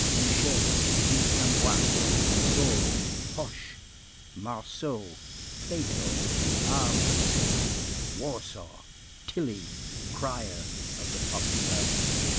Michel. Quincampoix. Sword. Hoche. Marceau. Plato. Arbre Sec. Warsaw. Tilly, crier of the Populaire.